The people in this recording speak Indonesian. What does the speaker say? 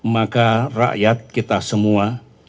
maka rakyat kita semua